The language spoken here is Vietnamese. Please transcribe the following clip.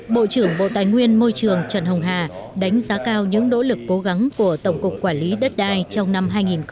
bộ trưởng bộ tài nguyên môi trường trần hồng hà đánh giá cao những nỗ lực cố gắng của tổng cục quản lý đất đai trong năm hai nghìn một mươi chín